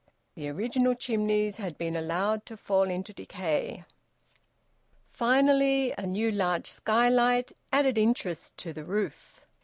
The original chimneys had been allowed to fall into decay. Finally, a new large skylight added interest to the roof.